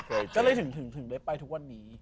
ก็เลยถึงได้ไปทุกวันนี้